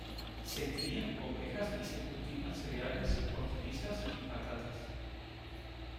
Se crían ovejas y se cultivan cereales, hortalizas y patatas.